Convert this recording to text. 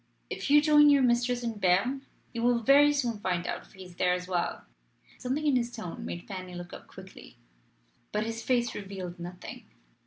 If you join your mistress in Berne, you will very soon find out if he is there as well." Something in his tone made Fanny look up quickly. But his face revealed nothing.